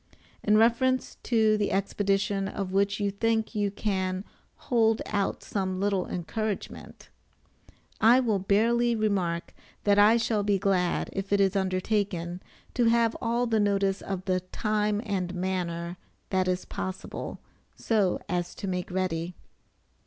In reference to the expedition of which you think you can "hold out some little encouragement," I will barely remark, that I shall be glad, if it is undertaken, to have all the notice of the time and manner that is possible, so as to make ready.